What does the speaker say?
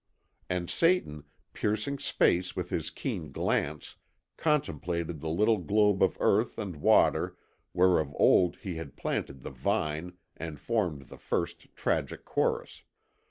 And Satan, piercing space with his keen glance, contemplated the little globe of earth and water where of old he had planted the vine and formed the first tragic chorus.